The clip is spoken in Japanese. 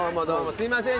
すいません